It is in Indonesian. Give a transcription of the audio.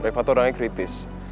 reva tuh orangnya kritis